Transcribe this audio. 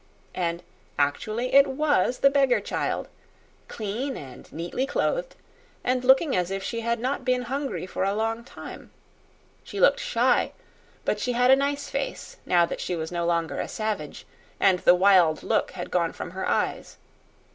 And actually it was the beggar child, clean and neatly clothed, and looking as if she had not been hungry for a long time. She looked shy, but she had a nice face, now that she was no longer a savage, and the wild look had gone from her eyes.